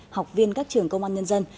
học viên các trường công an nhân dân